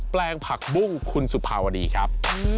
แปลงผักบุ้งคุณสุภาวดีครับ